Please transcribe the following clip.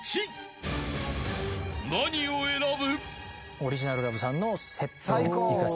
［何を選ぶ？］